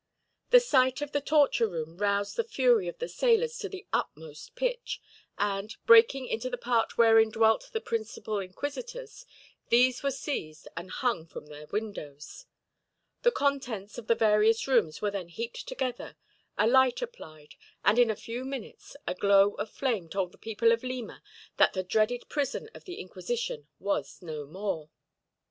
The sight of the torture room roused the fury of the sailors to the utmost pitch and, breaking into the part wherein dwelt the principal inquisitors, these were seized and hung from their windows. The contents of the various rooms were then heaped together, a light applied, and in a few minutes a glow of flame told the people of Lima that the dreaded prison of the Inquisition was no more.